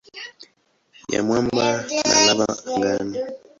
ya mwamba na lava angani.